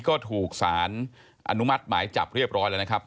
ก็ถูกสารอนุมัติหมายจับเรียบร้อยแล้วนะครับ